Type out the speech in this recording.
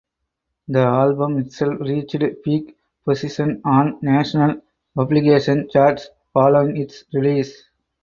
The album itself reached peak positions on national publication charts following its release.